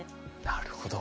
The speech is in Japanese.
なるほど。